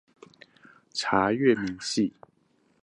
查閱明細